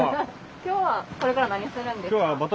今日はこれから何するんですか？